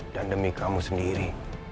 dan demi kamu sendiri